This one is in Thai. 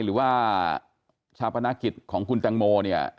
หรือว่าชาวพลังนาคติดิ์ของคุณตางโมเนี่ย